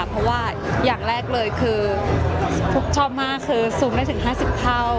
เพราะว่าอย่างแรกเลยคือฟุ๊กชอบมากคือซูมได้ถึง๕๐เท่า